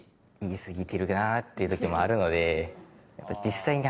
てるなっていう時もあるので。